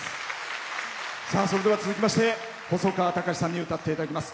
続きまして細川たかしさんに歌っていただきます。